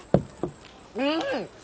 うん！